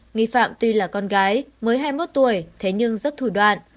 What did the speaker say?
nghi phạm tuy là con gái mới hai mươi một tuổi thế nhưng rất thủ đoạn